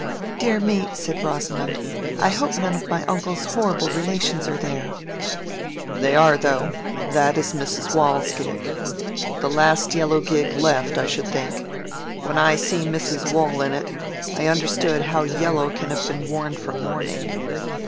"Dear me," said Rosamond, "I hope none of my uncle's horrible relations are there." "They are, though. That is Mrs. Waule's gig—the last yellow gig left, I should think. When I see Mrs. Waule in it, I understand how yellow can have been worn for mourning.